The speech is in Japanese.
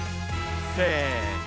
せの！